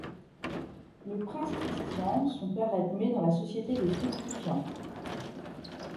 Le prince Christian, son père l'admet dans la Société des fructifiants.